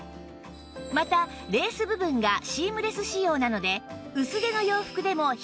またレース部分がシームレス仕様なので